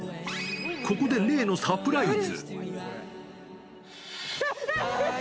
ここで例のサプライズ。